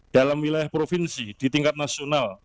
dalam wilayah provinsi di tingkat nasional